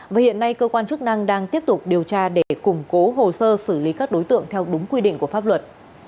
và hiện nay cơ quan chức năng đang tiếp tục điều tra để củng cố hồ sơ xử lý các đối tượng theo đúng quy định của pháp luật